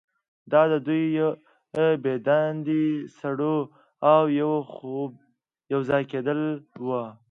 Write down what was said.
دا د دوه بې دندې سړو او یو خوب یوځای کیدل وو